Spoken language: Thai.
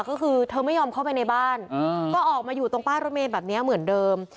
ก็คือเธอไม่ยอมเข้าไปในบ้านก็ออกมาอยู่ตรงป้ายรถเมย์แบบนี้เหมือนเดิม